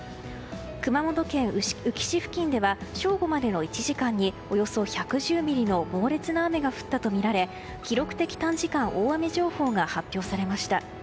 熊本県宇城市付近では正午までの１時間におよそ１１０ミリの猛烈な雨が降ったとみられ記録的短時間大雨情報が発表されました。